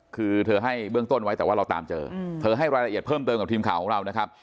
คือเธอให้เบื้องต้นไว้แต่ว่าเราตามเจอเธอให้รายละเอียดเพิ่มเติมกับทีมข่าวของเรานะครับ